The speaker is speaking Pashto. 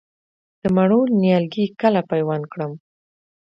د مڼو نیالګي کله پیوند کړم؟